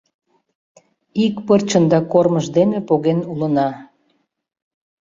Ик пырчын да кормыж дене поген улына.